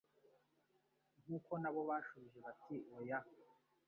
Nk'uko na bo bashubije bati : "Oya,"